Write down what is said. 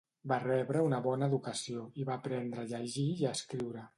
Va rebre una bona educació i va aprendre a llegir i a escriure.